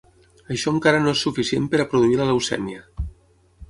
Això encara no és suficient per a produir la leucèmia.